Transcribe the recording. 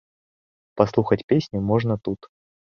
Паслухаць песню можна тут.